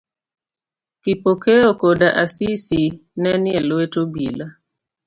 Kipokeo koda Asisi ne nie lwet obila.